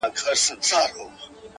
چي د حق ناره کړي پورته له ممبره,